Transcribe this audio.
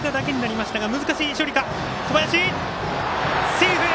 セーフ！